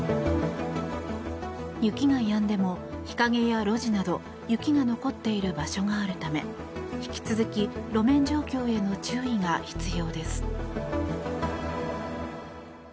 雪がやんでも日陰や路地など雪が残っている場所があるため引き続き路面状況への注意が必要です。